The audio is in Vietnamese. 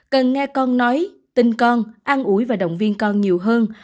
cần nghe con nói tin con ăn ủi và động viên con nhiều hơn